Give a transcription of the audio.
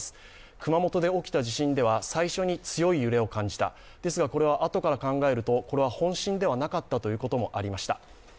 熊本で起きた地震では最初に強い揺れを感じた、ですがこれはあとから考えるとこれは本震ではなかったということもありました。